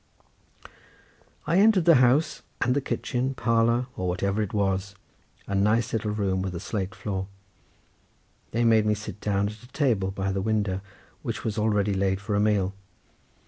I entered the house, and the kitchen, parlour, or whatever it was, a nice little room with a slate floor. They made me sit down at a table by the window, which was already laid for a meal.